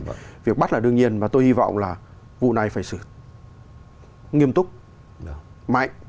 và việc bắt là đương nhiên và tôi hy vọng là vụ này phải xử nghiêm túc mạnh